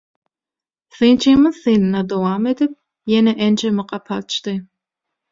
Synçymyz synyna dowam edip ýene ençeme gapy açdy.